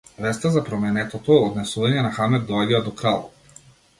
Веста за променетото однесување на Хамлет доаѓа до кралот.